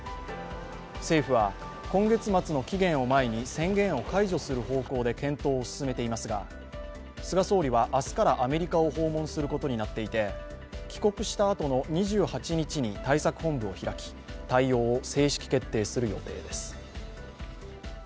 政府は今月末の期限を前に宣言を解除する方向で検討を進めていますが、菅総理は明日からアメリカを訪問することになっていて帰国したあとの２８日に対策本部を開き対応を正式決定する予定です。